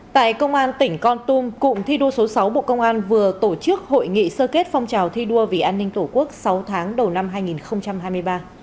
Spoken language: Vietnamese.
tại công an tỉnh con tum cụm thi đua số sáu bộ công an vừa tổ chức hội nghị sơ kết phong trào thi đua vì an ninh tổ quốc sáu tháng đầu năm hai nghìn hai mươi ba